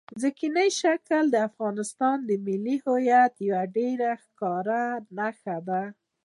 ځمکنی شکل د افغانستان د ملي هویت یوه ډېره ښکاره نښه ده.